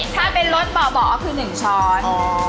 ถ้าเป็นรสบ่อคือ๑ช้อน